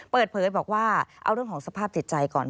เปิดเผยบอกว่าเอาเรื่องของสภาพจิตใจก่อน